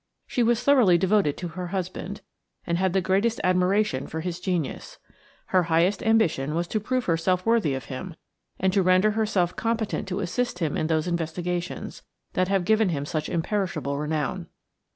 She was thoroughly devoted to her husband, and had the greatest admiration for his genius. Her highest ambition was to prove herself worthy of him and to render herself competent to assist him in those investigations that have given him such imperishable renown.